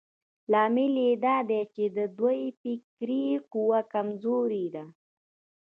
لامل يې دا دی چې د دوی فکري قوه کمزورې ده.